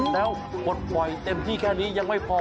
แล้วปลดปล่อยเต็มที่แค่นี้ยังไม่พอ